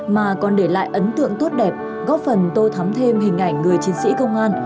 mà còn để lại ấn tượng tốt đẹp góp phần tô thắm thêm hình ảnh người chiến sĩ công an